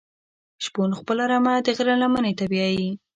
شپون خپله رمه د غره لمنی ته بیایی.